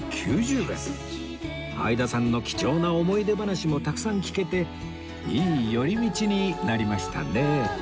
相田さんの貴重な思い出話もたくさん聞けていい寄り道になりましたね